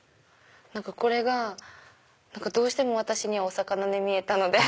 これがどうしても私にはお魚に見えたので。